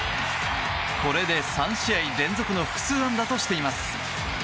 これで、３試合連続の複数安打としています。